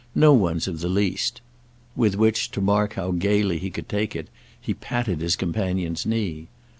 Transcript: "No one's of the least." With which, to mark how gaily he could take it, he patted his companion's knee.